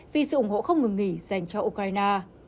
vì sự ủng hộ không ngừng nghỉ dành cho ukraine